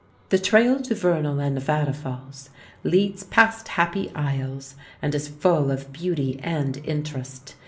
The trail to Vernal and Nevada Falls leads past Happy Isles and is full of beauty and interest.